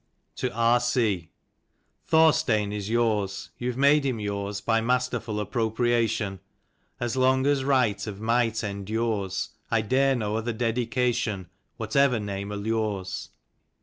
TO R. C. THORSTEIN is yours. You've made him yours By masterful appropriation : As long as right of might endures I dare no other dedication, Whatever name allures.